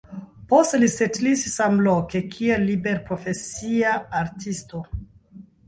Poste li setlis samloke kiel liberprofesia artisto.